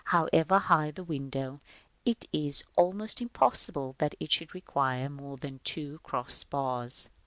However high the window, it is almost impossible that it should require more than two cross bars.